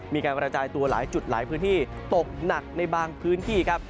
มีการกระจายตัวหลายจุดหลายพื้นที่ตกหนักในบางพื้นที่ครับ